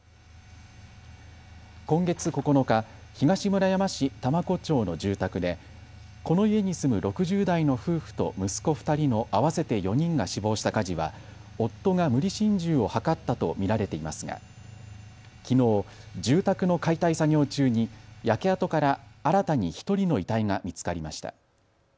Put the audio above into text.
今月９日、東村山市多摩湖町の住宅でこの家に住む６０代の夫婦と息子２人の合わせて４人が死亡した火事は夫が無理心中を図ったと見られていますがきのう住宅の解体作業中に焼け跡から新たに１人の遺体が見つかりました。